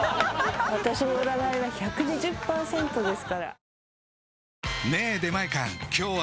私の占いは１２０％ですから。